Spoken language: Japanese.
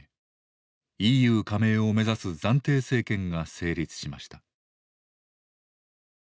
ＥＵ加盟を目指す暫定政権が成立しました。